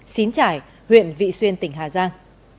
xín trải huyện vị xuyên tỉnh hà giang